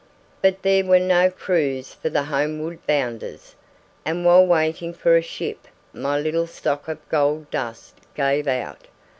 But there were no crews for the homeward bounders, and while waiting for a ship my little stock of gold dust gave out.